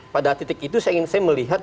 pada titik itu saya melihat